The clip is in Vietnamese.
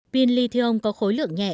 pin lithium có khối lượng nhẹ